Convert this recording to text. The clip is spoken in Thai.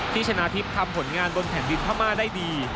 ที่ชนะทิพย์ทำผลงานบนแผ่นวิทย์ภามาได้ดี